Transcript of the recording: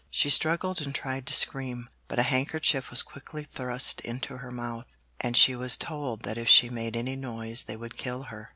She struggled and tried to scream, but a handkerchief was quickly thrust into her mouth, and she was told that if she made any noise they would kill her.